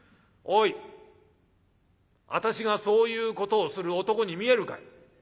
おい私がそういうことをする男に見えるかい？